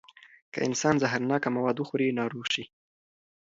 که انسان زهرناکه مواد وخوري، ناروغ شي.